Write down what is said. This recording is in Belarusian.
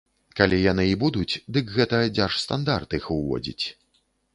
Калі яны і будуць, дык гэта дзяржстандарт іх уводзіць.